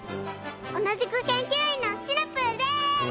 おなじくけんきゅういんのシナプーです！